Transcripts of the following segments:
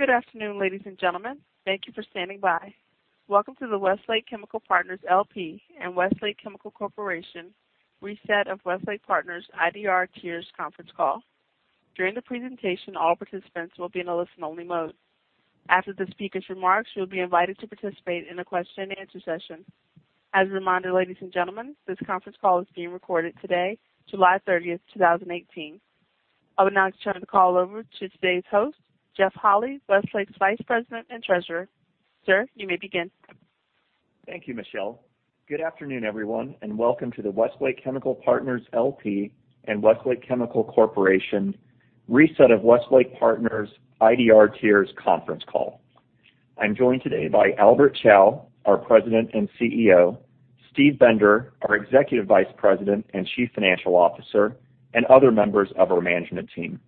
Good afternoon, ladies and gentlemen. Thank you for standing by. Welcome to the Westlake Chemical Partners LP and Westlake Chemical Corporation reset of Westlake Partners IDR tiers conference call. During the presentation, all participants will be in a listen-only mode. After the speaker's remarks, you will be invited to participate in a question-and-answer session. As a reminder, ladies and gentlemen, this conference call is being recorded today, July 30th, 2018. I would now like to turn the call over to today's host, Jeff Holy, Westlake's Vice President and Treasurer. Sir, you may begin. Thank you, Michelle. Good afternoon, everyone, and welcome to the Westlake Chemical Partners LP and Westlake Chemical Corporation reset of Westlake Partners IDR tiers conference call. I am joined today by Albert Chao, our President and CEO, Steve Bender, our Executive Vice President and Chief Financial Officer, and other members of our management team.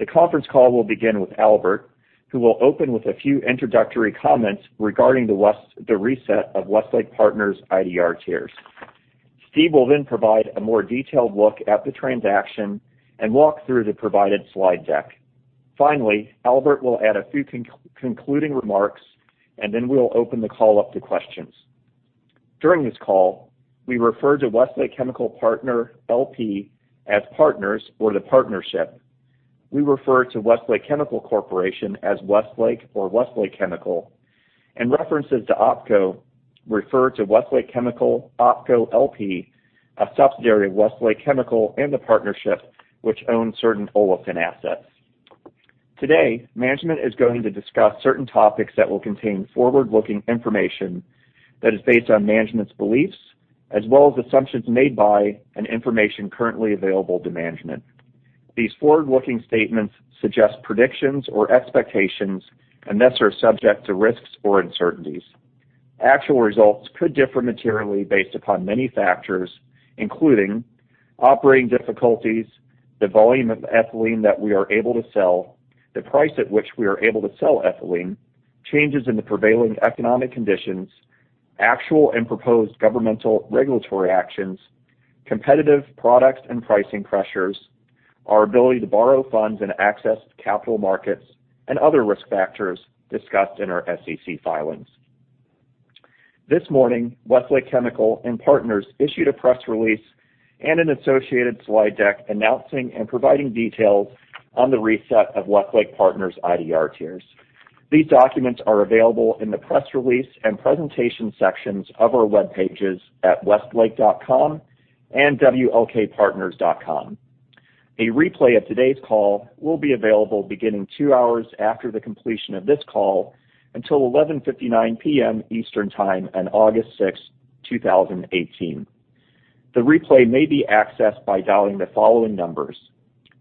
The conference call will begin with Albert, who will open with a few introductory comments regarding the reset of Westlake Partners IDR tiers. Steve will then provide a more detailed look at the transaction and walk through the provided slide deck. Finally, Albert will add a few concluding remarks. We will open the call up to questions. During this call, we refer to Westlake Chemical Partners LP as Partners or the Partnership. We refer to Westlake Chemical Corporation as Westlake or Westlake Chemical. References to OpCo refer to Westlake Chemical OpCo LP, a subsidiary of Westlake Chemical, and the Partnership, which owns certain olefin assets. Today, management is going to discuss certain topics that will contain forward-looking information that is based on management's beliefs, as well as assumptions made by and information currently available to management. These forward-looking statements suggest predictions or expectations and thus are subject to risks or uncertainties. Actual results could differ materially based upon many factors, including operating difficulties, the volume of ethylene that we are able to sell, the price at which we are able to sell ethylene, changes in the prevailing economic conditions, actual and proposed governmental regulatory actions, competitive products and pricing pressures, our ability to borrow funds and access capital markets, and other risk factors discussed in our SEC filings. This morning, Westlake Chemical and Partners issued a press release and an associated slide deck announcing and providing details on the reset of Westlake Partners IDR tiers. These documents are available in the press release and presentation sections of our webpages at westlake.com and wlkpartners.com. A replay of today's call will be available beginning two hours after the completion of this call until 11:59 P.M. Eastern Time on August 6th, 2018. The replay may be accessed by dialing the following numbers.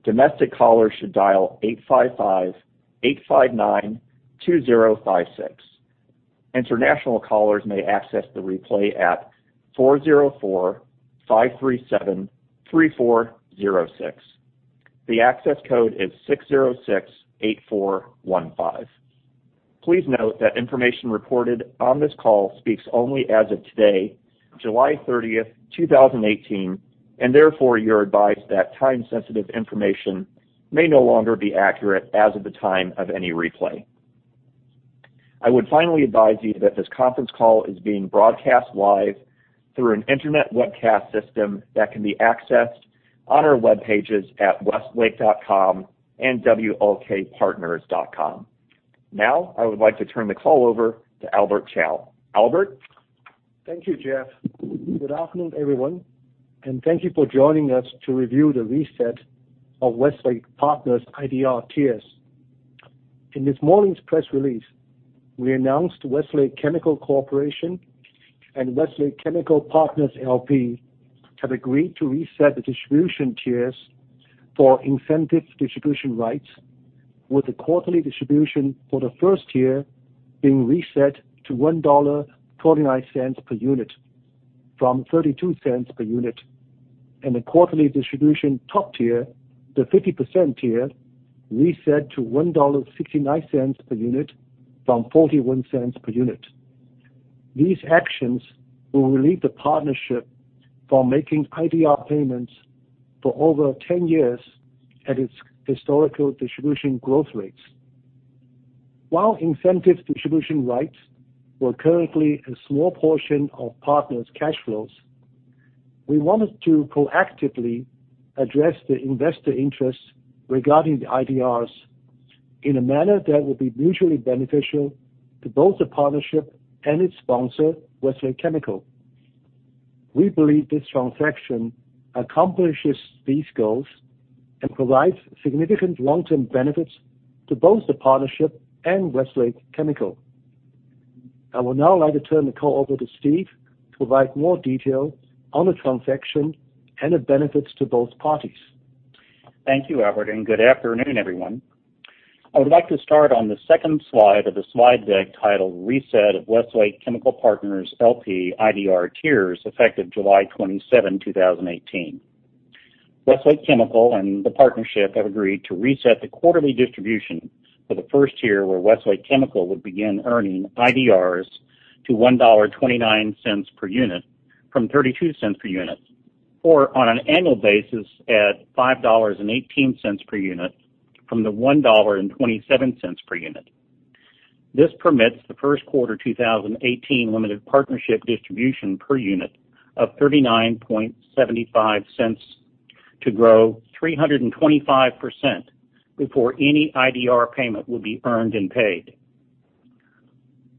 Domestic callers should dial 855-859-2056. International callers may access the replay at 404-537-3406. The access code is 6068415. Please note that information reported on this call speaks only as of today, July 30th, 2018, and therefore you are advised that time-sensitive information may no longer be accurate as of the time of any replay. I would finally advise you that this conference call is being broadcast live through an internet webcast system that can be accessed on our webpages at westlake.com and wlkpartners.com. Now I would like to turn the call over to Albert Chao. Albert? Thank you, Jeff. Good afternoon, everyone, and thank you for joining us to review the reset of Westlake Partners IDR tiers. In this morning's press release, we announced Westlake Chemical Corporation and Westlake Chemical Partners LP have agreed to reset the distribution tiers for incentive distribution rights with the quarterly distribution for the first year being reset to $1.29 per unit from $0.32 per unit, and the quarterly distribution top tier, the 50% tier, reset to $1.69 per unit from $0.41 per unit. These actions will relieve the Partnership from making IDR payments for over 10 years at its historical distribution growth rates. While incentive distribution rights were currently a small portion of Partners cash flows, we wanted to proactively address the investor interest regarding the IDRs in a manner that would be mutually beneficial to both the Partnership and its sponsor, Westlake Chemical. We believe this transaction accomplishes these goals and provides significant long-term benefits to both the Partnership and Westlake Chemical. I would now like to turn the call over to Steve to provide more detail on the transaction and the benefits to both parties. Thank you, Albert. Good afternoon, everyone. I would like to start on the second slide of the slide deck titled Reset of Westlake Chemical Partners LP IDR tiers effective July 27, 2018. Westlake Chemical and the Partnership have agreed to reset the quarterly distribution for the first year where Westlake Chemical would begin earning IDRs to $1.29 per unit from $0.32 per unit. On an annual basis at $5.18 per unit from the $1.27 per unit. This permits the first quarter 2018 limited partnership distribution per unit of $0.3975 to grow 325% before any IDR payment will be earned and paid.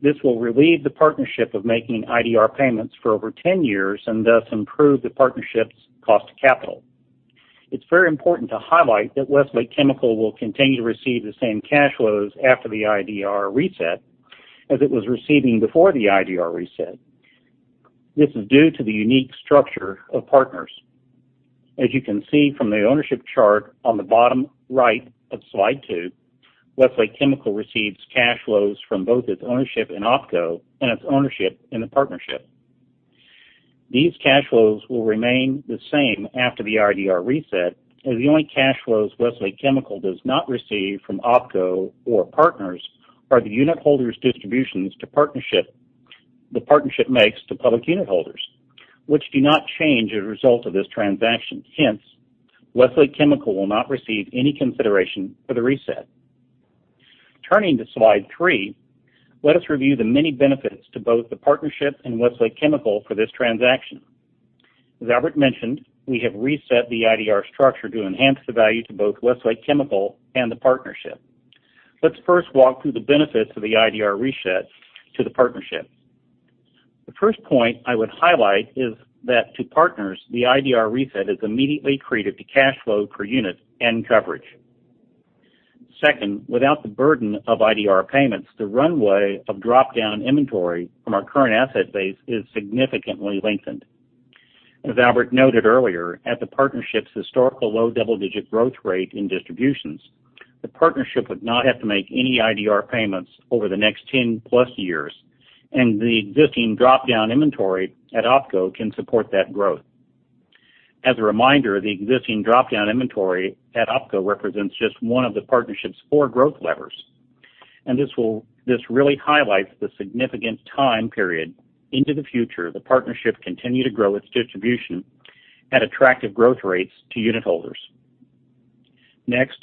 This will relieve the Partnership of making IDR payments for over 10 years, and thus improve the Partnership's cost of capital. It's very important to highlight that Westlake Chemical will continue to receive the same cash flows after the IDR reset as it was receiving before the IDR reset. This is due to the unique structure of Partners. As you can see from the ownership chart on the bottom right of slide two, Westlake Chemical receives cash flows from both its ownership in OpCo and its ownership in the Partnership. These cash flows will remain the same after the IDR reset, as the only cash flows Westlake Chemical does not receive from OpCo or Partners are the unitholders' distributions to Partnership, the Partnership makes to public unitholders, which do not change as a result of this transaction. Hence, Westlake Chemical will not receive any consideration for the reset. Turning to slide three, let us review the many benefits to both the Partnership and Westlake Chemical for this transaction. As Albert mentioned, we have reset the IDR structure to enhance the value to both Westlake Chemical and the Partnership. Let's first walk through the benefits of the IDR reset to the Partnership. The first point I would highlight is that to Partners, the IDR reset is immediately accretive to cash flow per unit and coverage. Second, without the burden of IDR payments, the runway of drop-down inventory from our current asset base is significantly lengthened. As Albert noted earlier, at the Partnership's historical low double-digit growth rate in distributions, the Partnership would not have to make any IDR payments over the next 10+ years, and the existing drop-down inventory at OpCo can support that growth. As a reminder, the existing drop-down inventory at OpCo represents just one of the Partnership's four growth levers. This really highlights the significant time period into the future the Partnership continue to grow its distribution at attractive growth rates to unitholders. Next,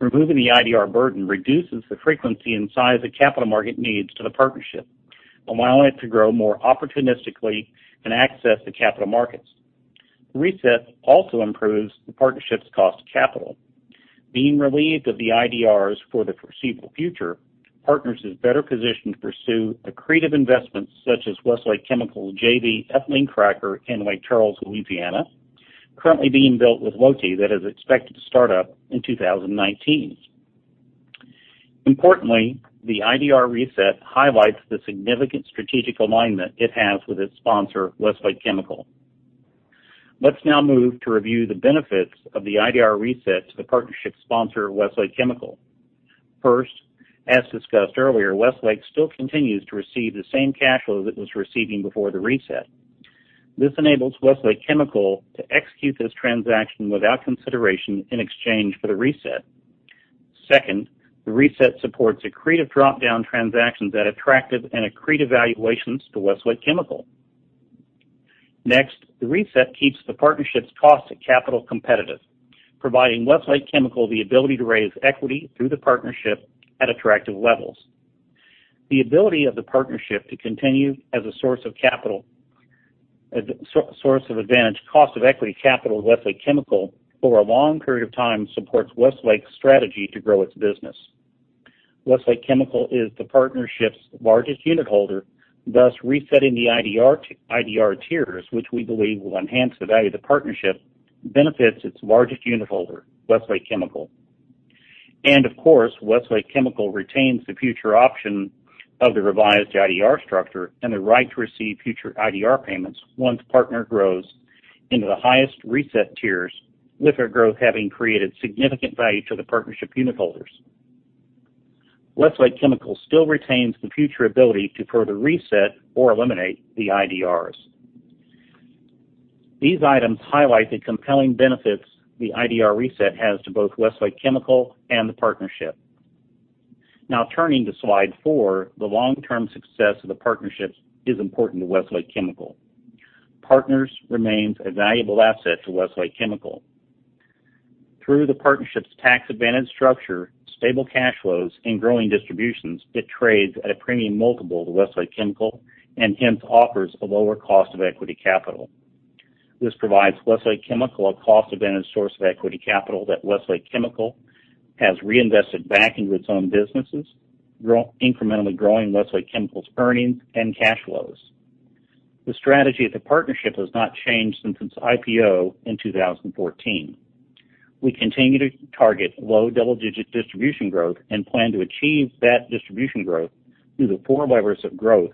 removing the IDR burden reduces the frequency and size of capital market needs to the Partnership, allowing it to grow more opportunistically and access the capital markets. The reset also improves the Partnership's cost of capital. Being relieved of the IDRs for the foreseeable future, Partners is better positioned to pursue accretive investments such as Westlake Chemical's JV ethylene cracker in Lake Charles, Louisiana, currently being built with Lotte that is expected to start up in 2019. Importantly, the IDR reset highlights the significant strategic alignment it has with its sponsor, Westlake Chemical. Let's now move to review the benefits of the IDR reset to the Partnership sponsor, Westlake Chemical. First, as discussed earlier, Westlake still continues to receive the same cash flow it was receiving before the reset. This enables Westlake Chemical to execute this transaction without consideration in exchange for the reset. Second, the reset supports accretive drop-down transactions at attractive and accretive valuations to Westlake Chemical. Next, the reset keeps the Partnership's cost of capital competitive, providing Westlake Chemical the ability to raise equity through the Partnership at attractive levels. The ability of the Partnership to continue as a source of advantage cost of equity capital to Westlake Chemical over a long period of time supports Westlake's strategy to grow its business. Westlake Chemical is the Partnership's largest unitholder, thus resetting the IDR tiers, which we believe will enhance the value of the Partnership, benefits its largest unitholder, Westlake Chemical. Of course, Westlake Chemical retains the future option of the revised IDR structure and the right to receive future IDR payments once Partners grows into the highest reset tiers with their growth having created significant value to the Partnership unitholders. Westlake Chemical still retains the future ability to further reset or eliminate the IDRs. These items highlight the compelling benefits the IDR reset has to both Westlake Chemical and the Partnership. Now turning to slide four, the long-term success of the partnerships is important to Westlake Chemical. Partners remains a valuable asset to Westlake Chemical. Through the Partnership's tax advantage structure, stable cash flows, and growing distributions, it trades at a premium multiple to Westlake Chemical, and hence offers a lower cost of equity capital. This provides Westlake Chemical a cost-advantaged source of equity capital that Westlake Chemical has reinvested back into its own businesses, incrementally growing Westlake Chemical's earnings and cash flows. The strategy of the Partnership has not changed since its IPO in 2014. We continue to target low double-digit distribution growth and plan to achieve that distribution growth through the four levers of growth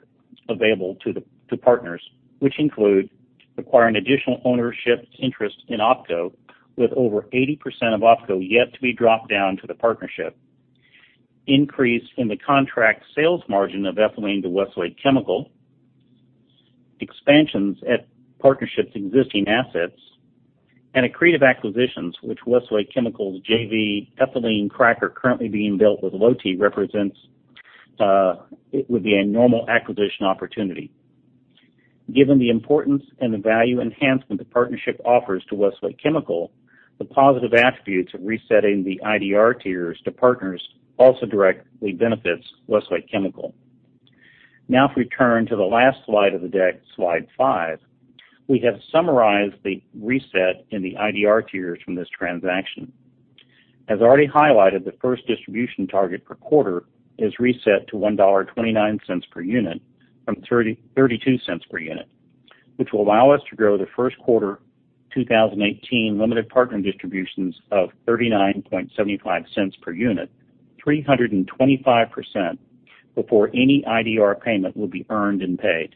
available to Partners, which include acquiring additional ownership interest in OpCo with over 80% of OpCo yet to be dropped down to the Partnership, increase in the contract sales margin of ethylene to Westlake Chemical, expansions at Partnership's existing assets, and accretive acquisitions, which Westlake Chemical's JV ethylene cracker currently being built with Lotte represents. It would be a normal acquisition opportunity. Given the importance and the value enhancement the Partnership offers to Westlake Chemical, the positive attributes of resetting the IDR tiers to Partners also directly benefits Westlake Chemical. Now if we turn to the last slide of the deck, slide five, we have summarized the reset in the IDR tiers from this transaction. As already highlighted, the first distribution target per quarter is reset to $1.29 per unit from $0.32 per unit, which will allow us to grow the first quarter 2018 limited partner distributions of $0.3975 per unit, 325% before any IDR payment will be earned and paid.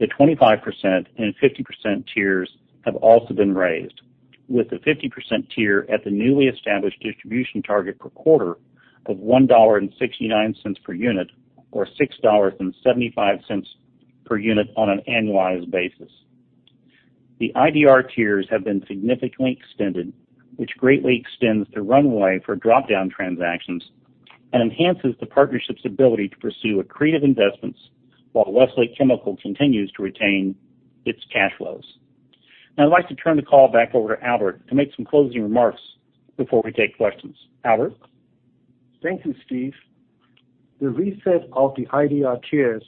The 25% and 50% tiers have also been raised, with the 50% tier at the newly established distribution target per quarter of $1.69 per unit or $6.75 per unit on an annualized basis. The IDR tiers have been significantly extended, which greatly extends the runway for drop-down transactions and enhances the Partnership's ability to pursue accretive investments while Westlake Chemical continues to retain its cash flows. I'd like to turn the call back over to Albert to make some closing remarks before we take questions. Albert? Thank you, Steve. The reset of the IDR tiers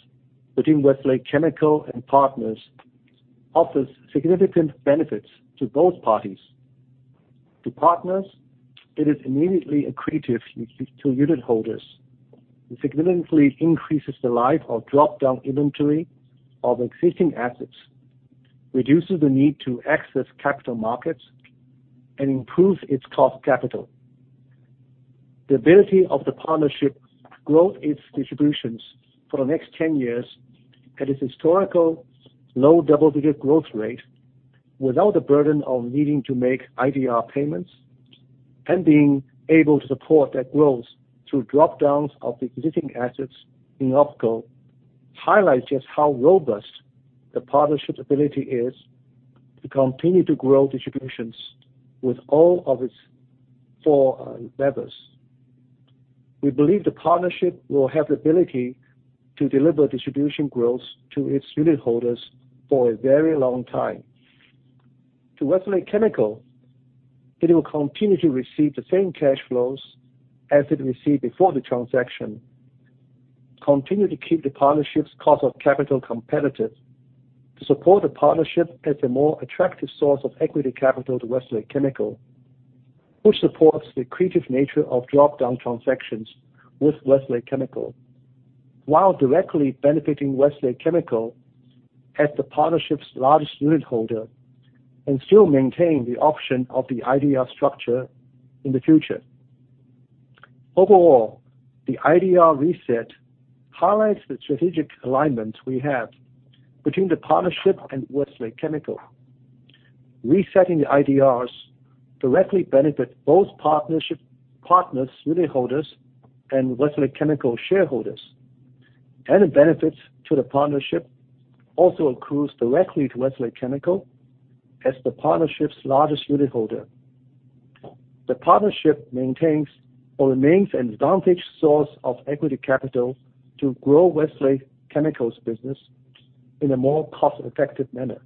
between Westlake Chemical and Partners offers significant benefits to both parties. To Partners, it is immediately accretive to unitholders. It significantly increases the life of drop-down inventory of existing assets, reduces the need to access capital markets, and improves its cost capital. The ability of the Partnership to grow its distributions for the next 10 years at its historical low double-digit growth rate without the burden of needing to make IDR payments and being able to support that growth through drop-downs of the existing assets in OpCo highlights just how robust the Partnership's ability is to continue to grow distributions with all of its four levers. We believe the Partnership will have the ability to deliver distribution growth to its unitholders for a very long time. To Westlake Chemical, it will continue to receive the same cash flows as it received before the transaction, continue to keep the Partnership's cost of capital competitive, to support the Partnership as a more attractive source of equity capital to Westlake Chemical, which supports the accretive nature of drop-down transactions with Westlake Chemical while directly benefiting Westlake Chemical as the Partnership's largest unitholder, and still maintain the option of the IDR structure in the future. Overall, the IDR reset highlights the strategic alignment we have between the Partnership and Westlake Chemical. Resetting the IDRs directly benefit both Partners' unitholders and Westlake Chemical shareholders. The benefits to the Partnership also accrues directly to Westlake Chemical as the Partnership's largest unitholder. The Partnership maintains or remains an advantage source of equity capital to grow Westlake Chemical's business in a more cost-effective manner,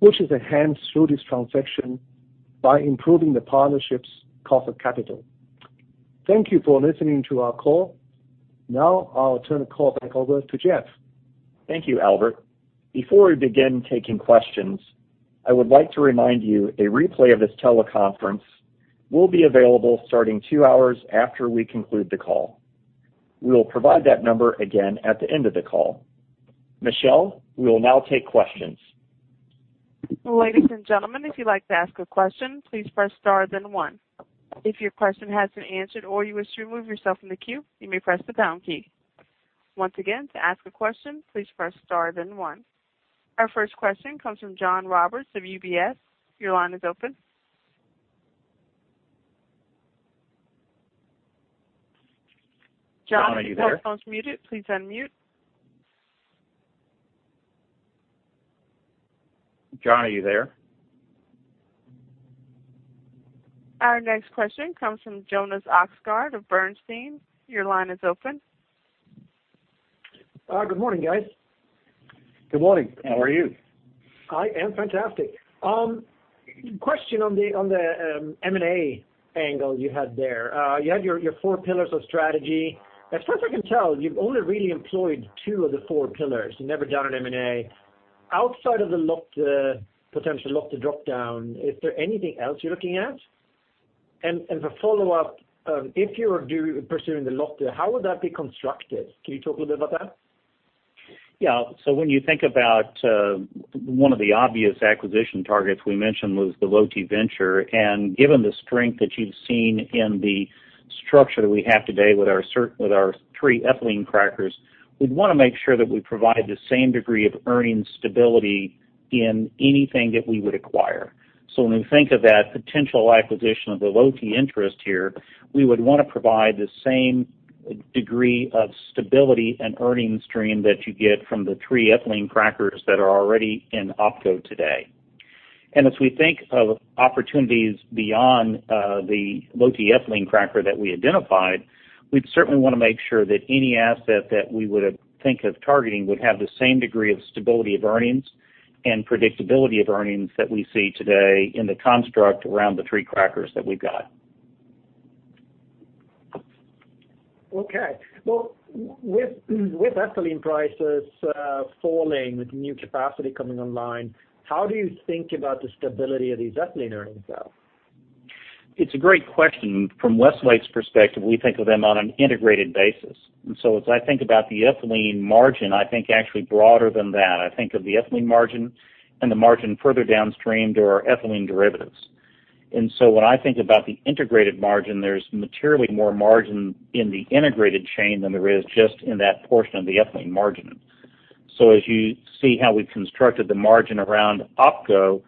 which is enhanced through this transaction by improving the Partnership's cost of capital. Thank you for listening to our call. Now I'll turn the call back over to Jeff. Thank you, Albert. Before we begin taking questions, I would like to remind you a replay of this teleconference will be available starting two hours after we conclude the call. We will provide that number again at the end of the call. Michelle, we will now take questions. Ladies and gentlemen, if you'd like to ask a question, please press star then one. If your question has been answered or you wish to remove yourself from the queue, you may press the pound key. Once again, to ask a question, please press star then one. Our first question comes from John Roberts of UBS. Your line is open, John. John, are you there? John, your phone's muted. Please unmute. John, are you there? Our next question comes from Jonas Oxgaard of Bernstein. Your line is open. Good morning, guys. Good morning. How are you? I am fantastic. Question on the M&A angle you had there. You had your four pillars of strategy. As far as I can tell, you've only really employed two of the four pillars. You've never done an M&A. Outside of the potential Lotte drop-down, is there anything else you're looking at? For follow-up, if you were pursuing the Lotte, how would that be constructed? Can you talk a little bit about that? Yeah. When you think about one of the obvious acquisition targets we mentioned was the Lotte venture. Given the strength that you've seen in the structure that we have today with our three ethylene crackers, we'd want to make sure that we provide the same degree of earnings stability in anything that we would acquire. When we think of that potential acquisition of the Lotte interest here, we would want to provide the same degree of stability and earnings stream that you get from the three ethylene crackers that are already in OpCo today. As we think of opportunities beyond the Lotte ethylene cracker that we identified, we'd certainly want to make sure that any asset that we would think of targeting would have the same degree of stability of earnings and predictability of earnings that we see today in the construct around the three crackers that we've got. Okay. With ethylene prices falling, with new capacity coming online, how do you think about the stability of these ethylene earnings now? It's a great question. From Westlake's perspective, we think of them on an integrated basis. As I think about the ethylene margin, I think actually broader than that. I think of the ethylene margin and the margin further downstream to our ethylene derivatives. When I think about the integrated margin, there's materially more margin in the integrated chain than there is just in that portion of the ethylene margin. As you see how we've constructed the margin around OpCo,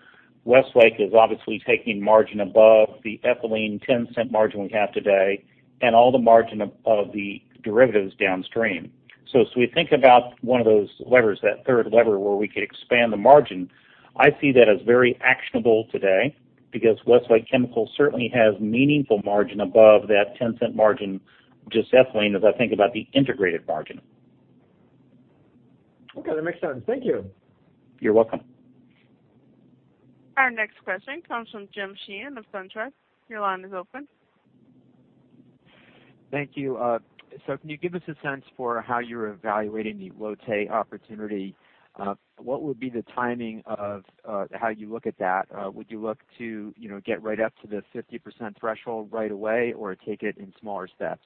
Westlake is obviously taking margin above the ethylene $0.10 margin we have today, and all the margin of the derivatives downstream. As we think about one of those levers, that third lever, where we could expand the margin, I see that as very actionable today because Westlake Chemical certainly has meaningful margin above that $0.10 margin, just ethylene, as I think about the integrated margin. Okay. That makes sense. Thank you. You're welcome. Our next question comes from Jim Sheehan of SunTrust. Your line is open. Thank you. Can you give us a sense for how you're evaluating the Lotte opportunity? What would be the timing of how you look at that? Would you look to get right up to the 50% threshold right away, or take it in smaller steps?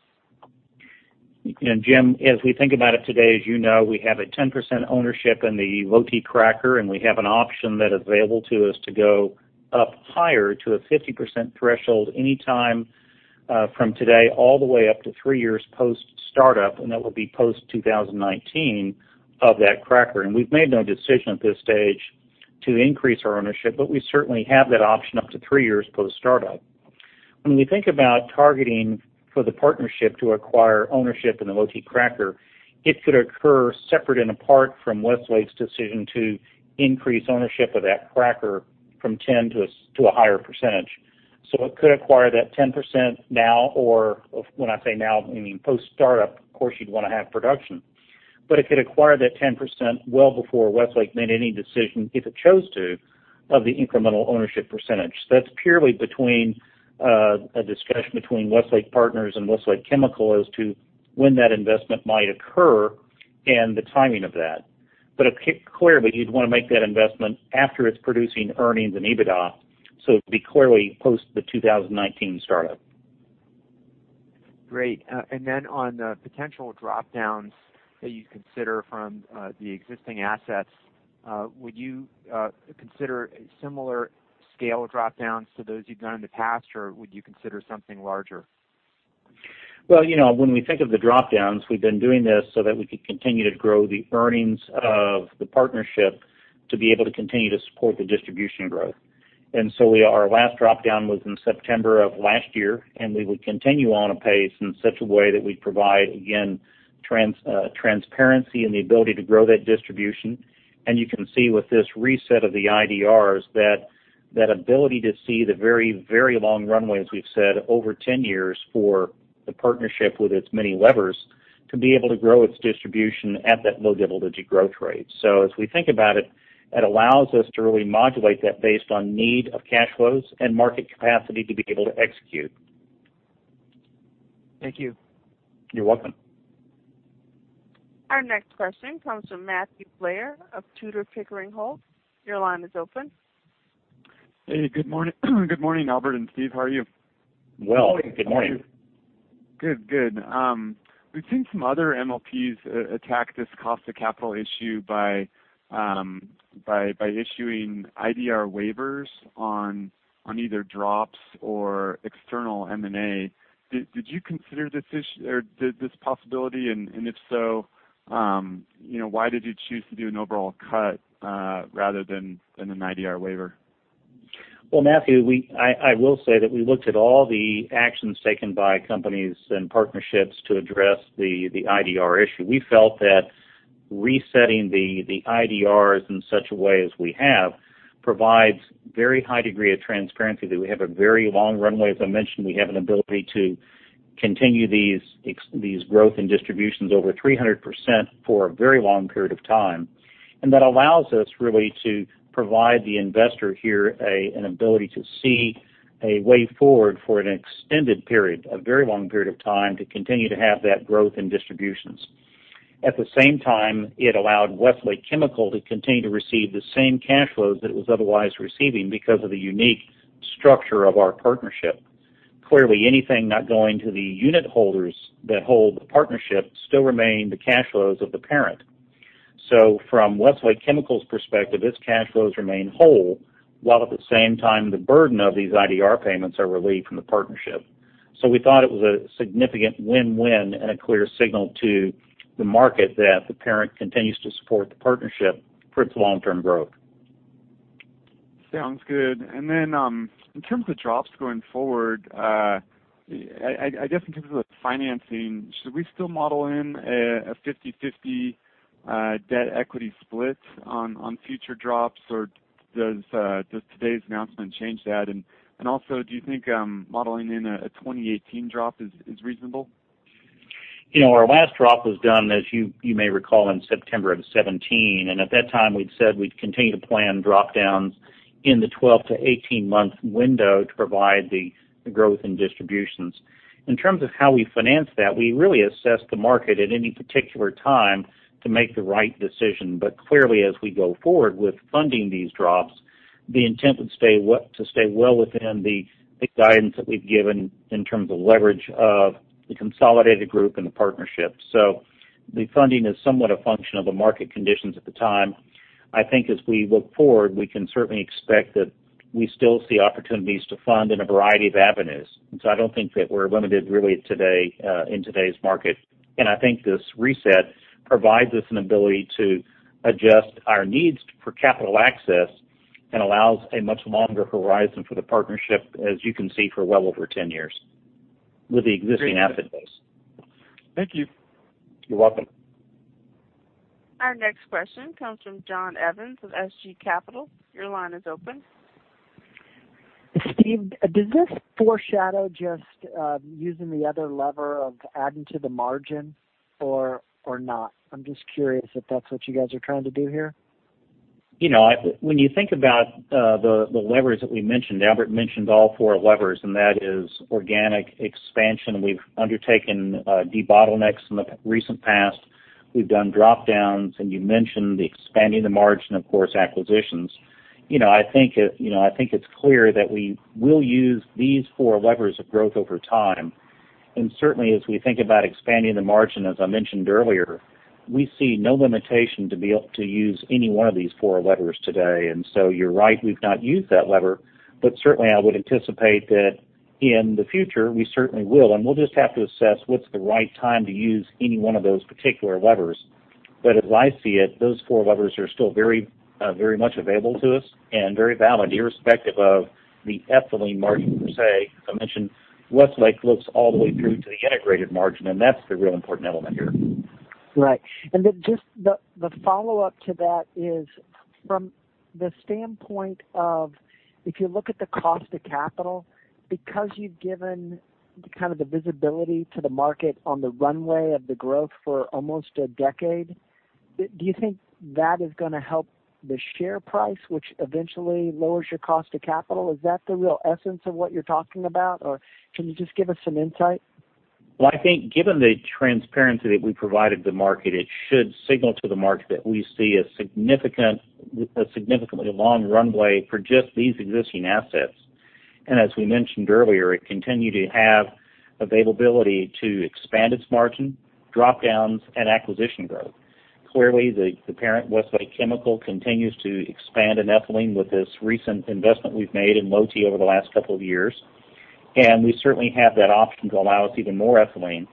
Jim, as we think about it today, as you know, we have a 10% ownership in the Lotte cracker, and we have an option that is available to us to go up higher to a 50% threshold anytime from today, all the way up to three years post-startup, and that will be post 2019 of that cracker. We've made no decision at this stage to increase our ownership, but we certainly have that option up to three years post-startup. When we think about targeting for the Partnership to acquire ownership in the Lotte cracker, it could occur separate and apart from Westlake's decision to increase ownership of that cracker from 10% to a higher percentage. It could acquire that 10% now, when I say now, we mean post-startup. Of course, you'd want to have production. It could acquire that 10% well before Westlake made any decision, if it chose to, of the incremental ownership percentage. That's purely a discussion between Westlake Partners and Westlake Chemical as to when that investment might occur and the timing of that. Clearly, you'd want to make that investment after it's producing earnings and EBITDA, so it'd be clearly post the 2019 startup. Great. On potential drop-downs that you'd consider from the existing assets, would you consider similar scale drop-downs to those you've done in the past, or would you consider something larger? Well, when we think of the drop-downs, we've been doing this so that we could continue to grow the earnings of the Partnership to be able to continue to support the distribution growth. Our last drop-down was in September of last year, and we would continue on a pace in such a way that we provide, again, transparency and the ability to grow that distribution. You can see with this reset of the IDRs that that ability to see the very, very long runway, as we've said, over 10 years for the Partnership with its many levers, to be able to grow its distribution at that low double-digit growth rate. As we think about it, it allows us to really modulate that based on need of cash flows and market capacity to be able to execute. Thank you. You're welcome. Our next question comes from Matthew Blair of Tudor, Pickering, Holt. Your line is open. Hey, good morning, Albert and Steve. How are you? Well. Morning. Good morning. Good. We've seen some other MLPs attack this cost of capital issue by issuing IDR waivers on either drops or external M&A. Did you consider this possibility, and if so, why did you choose to do an overall cut rather than an IDR waiver? Well, Matthew, I will say that we looked at all the actions taken by companies and Partnerships to address the IDR issue. We felt that resetting the IDRs in such a way as we have provides very high degree of transparency, that we have a very long runway. As I mentioned, we have an ability to continue these growth in distributions over 300% for a very long period of time. That allows us really to provide the investor here an ability to see a way forward for an extended period, a very long period of time, to continue to have that growth in distributions. At the same time, it allowed Westlake Chemical to continue to receive the same cash flows that it was otherwise receiving because of the unique structure of our partnership. Clearly, anything not going to the unit holders that hold the Partnership still remain the cash flows of the parent. From Westlake Chemical's perspective, its cash flows remain whole, while at the same time, the burden of these IDR payments are relieved from the Partnership. We thought it was a significant win-win and a clear signal to the market that the parent continues to support the Partnership for its long-term growth. Sounds good. In terms of drops going forward, I guess in terms of the financing, should we still model in a 50/50 debt equity splits on future drops, or does today's announcement change that? Also, do you think modeling in a 2018 drop is reasonable? Our last drop was done, as you may recall, in September 2017, and at that time, we'd said we'd continue to plan drop-downs in the 12-18 month window to provide the growth in distributions. In terms of how we finance that, we really assess the market at any particular time to make the right decision. Clearly, as we go forward with funding these drops, the intent would stay well within the guidance that we've given in terms of leverage of the consolidated group and the Partnership. The funding is somewhat a function of the market conditions at the time. I think as we look forward, we can certainly expect that we still see opportunities to fund in a variety of avenues. I don't think that we're limited really today, in today's market. I think this reset provides us an ability to adjust our needs for capital access and allows a much longer horizon for the Partnership, as you can see, for well over 10 years with the existing asset base. Thank you. You're welcome. Our next question comes from Jon Evans of SG Capital. Your line is open. Steve, does this foreshadow just using the other lever of adding to the margin or not? I'm just curious if that's what you guys are trying to do here. When you think about the levers that we mentioned, Albert mentioned all four levers, and that is organic expansion. We've undertaken debottlenecks in the recent past. We've done drop-downs, and you mentioned the expanding the margin, of course, acquisitions. I think it's clear that we will use these four levers of growth over time. Certainly, as we think about expanding the margin, as I mentioned earlier, we see no limitation to be able to use any one of these four levers today. You're right, we've not used that lever. Certainly, I would anticipate that in the future, we certainly will. We'll just have to assess what's the right time to use any one of those particular levers. As I see it, those four levers are still very much available to us and very valid, irrespective of the ethylene margin per se. As I mentioned, Westlake looks all the way through to the integrated margin, and that's the real important element here. Right. Just the follow-up to that is from the standpoint of, if you look at the cost of capital, because you've given kind of the visibility to the market on the runway of the growth for almost a decade, do you think that is going to help the share price, which eventually lowers your cost of capital? Is that the real essence of what you're talking about, or can you just give us some insight? Well, I think given the transparency that we provided the market, it should signal to the market that we see a significantly long runway for just these existing assets. As we mentioned earlier, it continued to have availability to expand its margin, drop-downs, and acquisition growth. Clearly, the parent, Westlake Chemical, continues to expand in ethylene with this recent investment we've made in Lotte over the last couple of years. We certainly have that option to allow us even more ethylene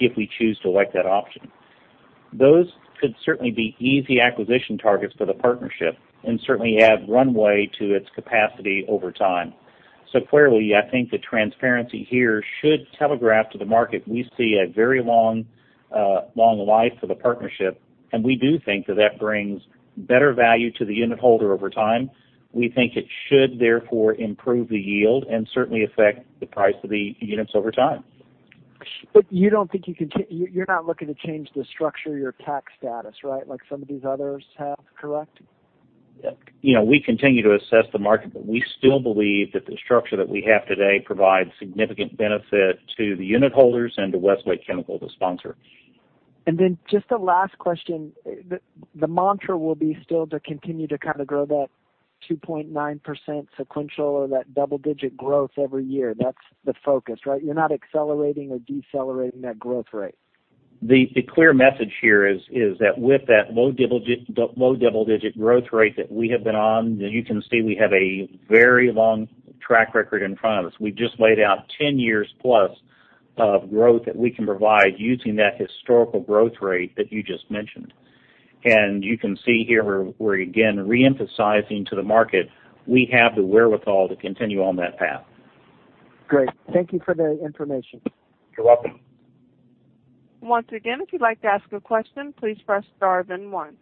if we choose to elect that option. Those could certainly be easy acquisition targets for the Partnership and certainly add runway to its capacity over time. Clearly, I think the transparency here should telegraph to the market. We see a very long life for the Partnership, and we do think that that brings better value to the unit holder over time. We think it should therefore improve the yield and certainly affect the price of the units over time. You're not looking to change the structure of your tax status, right? Like some of these others have. Correct? We continue to assess the market, but we still believe that the structure that we have today provides significant benefit to the unit holders and to Westlake Chemical, the sponsor. Just the last question. The mantra will be still to continue to kind of grow that 2.9% sequential or that double-digit growth every year. That's the focus, right? You're not accelerating or decelerating that growth rate. The clear message here is that with that low double-digit growth rate that we have been on, you can see we have a very long track record in front of us. We just laid out 10+ years of growth that we can provide using that historical growth rate that you just mentioned. You can see here we're again re-emphasizing to the market we have the wherewithal to continue on that path. Great. Thank you for the information. You're welcome. Once again, if you'd like to ask a question, please press star then one.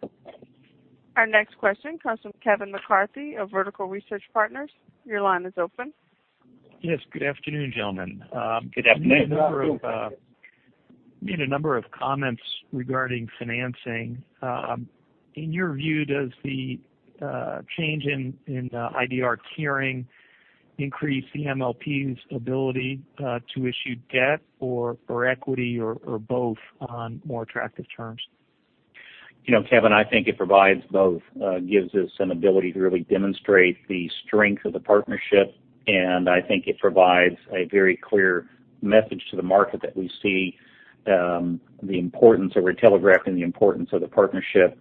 Our next question comes from Kevin McCarthy of Vertical Research Partners. Your line is open. Yes. Good afternoon, gentlemen. Good afternoon. Good afternoon. Made a number of comments regarding financing. In your view, does the change in IDR tiering increase the MLP's ability to issue debt or equity or both on more attractive terms? Kevin, I think it provides both. Gives us an ability to really demonstrate the strength of the partnership, and I think it provides a very clear message to the market that we see the importance that we're telegraphing the importance of the partnership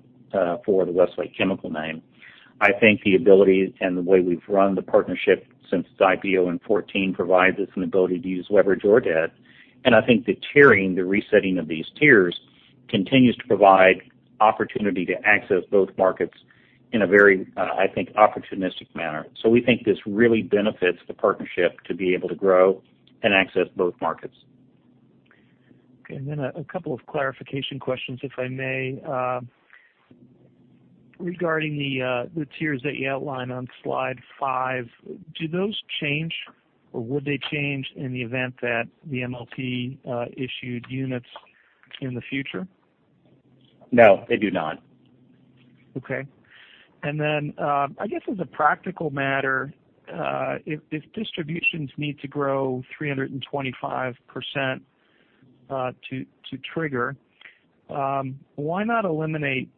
for the Westlake Chemical name. I think the ability and the way we've run the partnership since its IPO in 2014 provides us an ability to use leverage or debt. I think the tiering, the resetting of these tiers continues to provide opportunity to access both markets in a very, I think, opportunistic manner. We think this really benefits the partnership to be able to grow and access both markets. Okay. A couple of clarification questions, if I may. Regarding the tiers that you outline on slide five, do those change or would they change in the event that the MLP issued units in the future? No, they do not. Okay. I guess as a practical matter, if distributions need to grow 325% to trigger, why not eliminate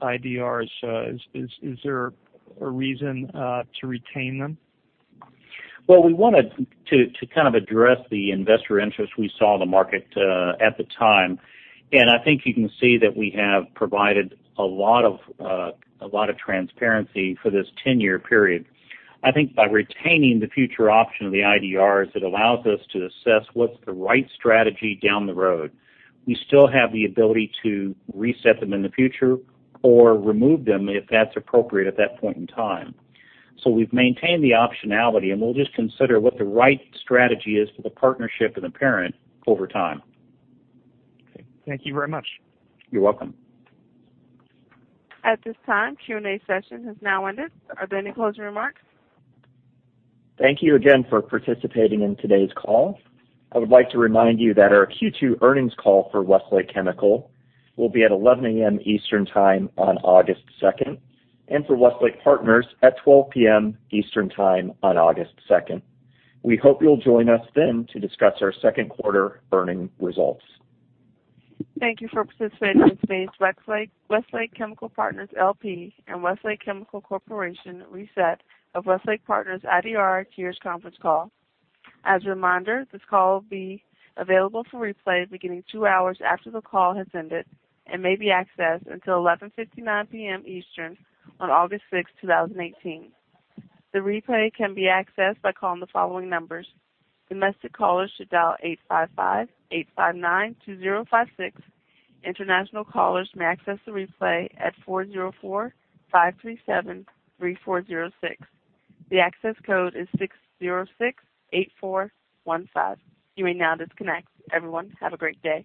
IDRs? Is there a reason to retain them? We wanted to address the investor interest we saw in the market at the time, and I think you can see that we have provided a lot of transparency for this 10-year period. I think by retaining the future option of the IDRs, it allows us to assess what's the right strategy down the road. We still have the ability to reset them in the future or remove them if that's appropriate at that point in time. We've maintained the optionality, and we'll just consider what the right strategy is for the partnership and the parent over time. Okay. Thank you very much. You're welcome. At this time, Q&A session has now ended. Are there any closing remarks? Thank you again for participating in today's call. I would like to remind you that our Q2 earnings call for Westlake Chemical will be at 11:00 A.M. Eastern Time on August 2nd, and for Westlake Partners at 12:00 P.M. Eastern Time on August 2nd. We hope you'll join us then to discuss our second quarter earnings results. Thank you for participating in today's Westlake Chemical Partners LP and Westlake Chemical Corporation reset of Westlake Partners IDR tiers conference call. As a reminder, this call will be available for replay beginning two hours after the call has ended and may be accessed until 11:59 P.M. Eastern on August 6th, 2018. The replay can be accessed by calling the following numbers. Domestic callers should dial 855-859-2056. International callers may access the replay at 404-537-3406. The access code is 6068415. You may now disconnect. Everyone, have a great day.